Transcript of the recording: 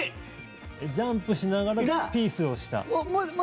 ジャンプしながらピースをした。